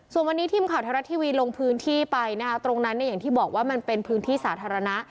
ส่วนวันนี้ทีมข่าวไทยรัฐทีวีลงพื้นที่ไปนะคะตรงนั้นเนี่ยอย่างที่บอกว่ามันเป็นพื้นที่สาธารณะ